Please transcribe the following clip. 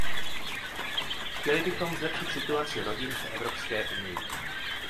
Chtěli bychom zlepšit situaci rodin v Evropské unii.